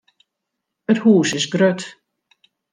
It hús is grut.